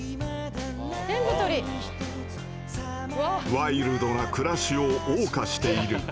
ワイルドな暮らしをおう歌している。